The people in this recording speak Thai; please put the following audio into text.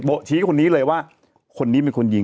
ชี้คนนี้เลยว่าคนนี้เป็นคนยิง